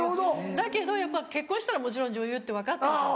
だけど結婚したらもちろん女優って分かってるじゃない。